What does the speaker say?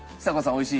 おいしい？